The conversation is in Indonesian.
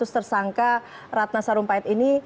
tersangka ratna sarumpayat ini